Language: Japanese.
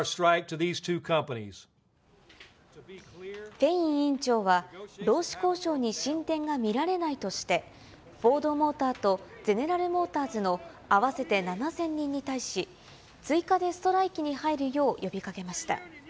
フェイン委員長は、労使交渉に進展が見られないとして、フォード・モーターとゼネラル・モーターズの合わせて７０００人に対し、追加でストライキに入るよう呼びかけました。